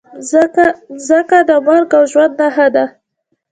مځکه د مرګ او ژوند نښه ده.